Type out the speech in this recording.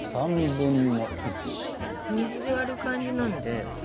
水で割る感じなんで。